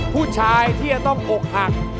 ผู้ชายที่จะต้องอกหัก